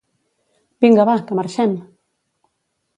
vinga va, que marxem!